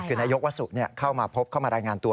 คือนายกวัสสุเข้ามาพบเข้ามารายงานตัว